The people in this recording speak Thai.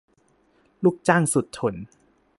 ลูกจ้างสุดทน